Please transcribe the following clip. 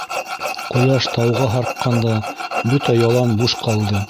Ҡояш тауға һарҡҡанда, бөтә ялан буш ҡалды.